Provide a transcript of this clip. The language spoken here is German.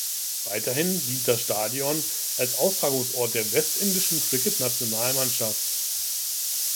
Weiterhin dient das Stadion als Austragungsort der westindischen Cricketnationalmannschaft.